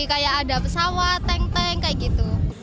kayak ada pesawat tank tank kayak gitu